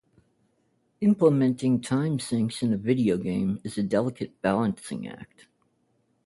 Implementing time sinks in a video game is a delicate balancing act.